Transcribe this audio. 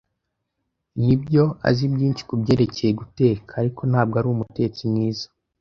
Nibyo, azi byinshi kubyerekeye guteka, ariko ntabwo ari umutetsi mwiza.